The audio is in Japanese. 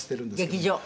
「劇場」